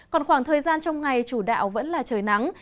còn khoảng thời gian trong ngày chủ đạo vẫn là trời nắng